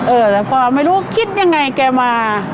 เออแล้วพอไม่รู้คิดยังไงแกมา